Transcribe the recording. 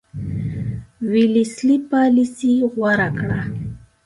ویلسلي پالیسي غوره کړه.